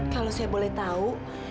kalau saya boleh tahu